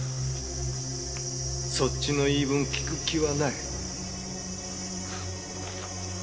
そっちの言い分を聞く気はない。